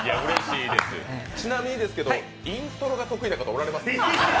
ちなみにですけど、イントロが得意な方おられますか？